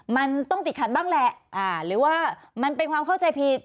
มันต้องติดขัดบ้างแหละหรือว่ามันเป็นความเข้าใจผิด